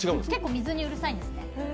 結構、水にうるさいんですね